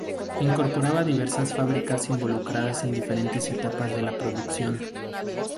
Incorporaba diversas fabricas involucradas en diferentes etapas de la producción.